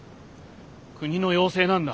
国の要請なんだ。